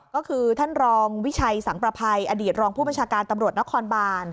ก็คือท่านรองวิชัยสังประภัยอดีตรองผู้บัญชาการตำรวจนครบาน